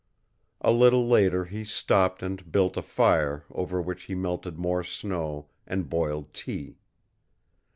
A little later he stopped and built a fire over which he melted more snow and boiled tea.